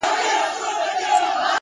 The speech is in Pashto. مه وايه دا چي اور وړي خوله كي’